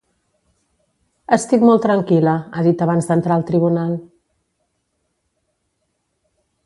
Estic molt tranquil·la, ha dit abans d’entrar al tribunal.